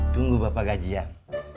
tunggu bapak gajian